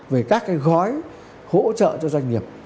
về các cái gói hỗ trợ cho doanh nghiệp